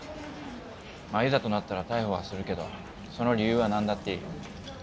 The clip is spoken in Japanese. いざとなったら逮捕はするけどその理由は何だっていい。